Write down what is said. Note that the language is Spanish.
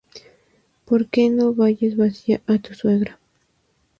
Porque no vayas vacía á tu suegra.